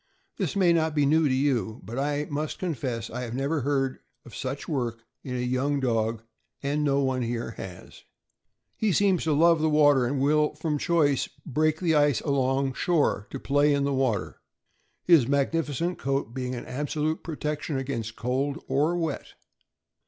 This may not be new to you, but I must confess I have never heard of such work in a young dog; and no one here has. " He seems to love the water, and will, from choice, break the ice along shore to play in the water, his magnificent coat being an absolute protection against cold or wet.